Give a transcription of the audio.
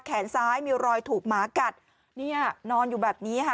แขนซ้ายมีรอยถูกหมากัดเนี่ยนอนอยู่แบบนี้ค่ะ